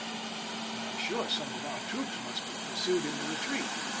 I am sure some of our troops must have pursued in the retreat.